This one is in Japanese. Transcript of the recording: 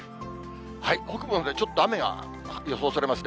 北部のほうでちょっと雨が予想されますね。